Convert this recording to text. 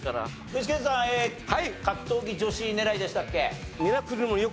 具志堅さん格闘技女子狙いでしたっけ？